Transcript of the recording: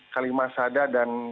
kalimah sada dan